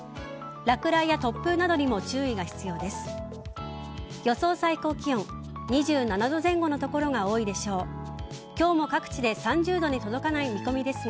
落雷や突風などにも注意が必要です。